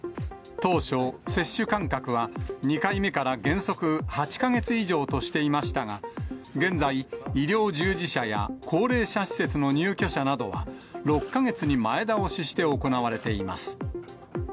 当初、接種間隔は２回目から原則８か月以上としていましたが、現在医療従事者や高齢者施設の入居者などは６か月に前倒しして行われています。